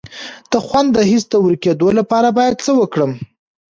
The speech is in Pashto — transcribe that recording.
د خوند د حس د ورکیدو لپاره باید څه وکړم؟